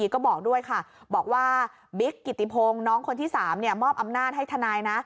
ก็บอกด้วยค่ะบอกว่าบิ๊กกิติพงศ์น้องคนที่๓มอบอำนาจให้ทนายนะ